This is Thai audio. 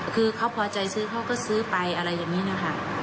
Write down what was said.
คือเขาพอใจซื้อเขาก็ซื้อไปอะไรอย่างนี้นะคะ